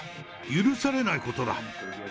許されないことだ。